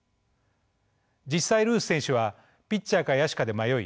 実際ルース選手はピッチャーか野手かで迷い